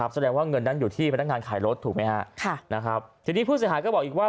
แสดงว่าเงินนั้นอยู่ที่บรรทางงานขายรถถูกไหมฮะทีนี้ผู้สิทธิ์ก็บอกอีกว่า